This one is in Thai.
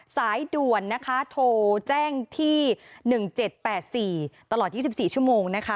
สายด่วนนะคะโทรแจ้งที่๑๗๘๔ตลอด๒๔ชั่วโมงนะคะ